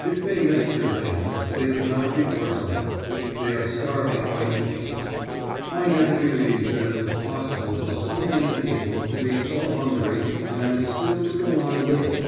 If they missed their chance, they could not be worse off. They are starving by inches. I never believed that it was possible for so many people to be so hungry and still to go on living.